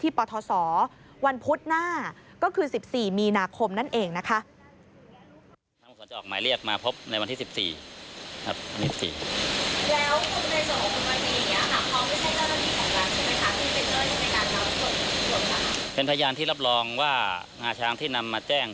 ที่เป็นเวลาที่ในการเล่าส่วนเป็นทะยานที่รับรองว่างาช้างที่นำมาแจ้ง